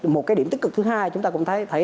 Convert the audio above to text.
một cái điểm tích cực thứ hai chúng ta cũng thấy